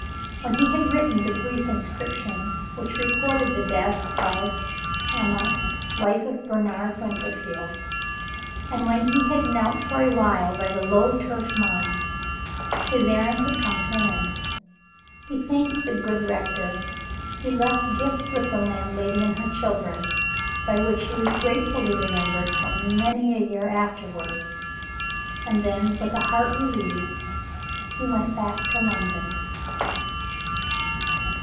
When he had written the brief inscription which recorded the death of "Emma, wife of Bernard Winterfield," and when he had knelt for a while by the low turf mound, his errand had come to its end. He thanked the good rector; he left gifts with the landlady and her children, by which he was gratefully remembered for many a year afterward; and then, with a heart relieved, he went back to London.